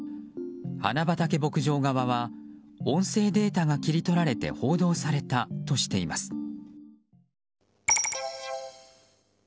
花畑牧場側は音声データが切り取られて報道されたとしています。